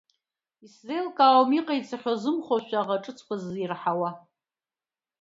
Исзеилкаауам иҟаиҵахьоу азымхоушәа аӷа ҿыцқәа зирҳауа!